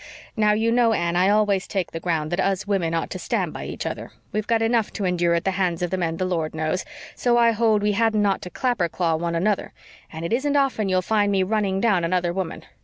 Now you know, Anne, I always take the ground that us women ought to stand by each other. We've got enough to endure at the hands of the men, the Lord knows, so I hold we hadn't ought to clapper claw one another, and it isn't often you'll find me running down another woman.